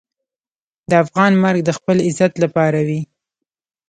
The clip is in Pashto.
د افغان مرګ د خپل عزت لپاره وي.